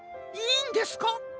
いいんですか？